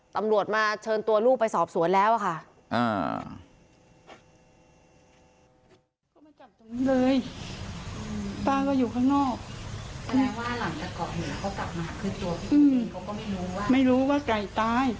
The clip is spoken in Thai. ตำรวจมาเชิญตัวลูกไปสอบสวนแล้วค่ะ